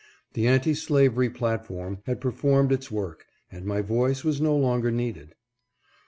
The anti slavery platform had performed its work, and my voice was no longer needed.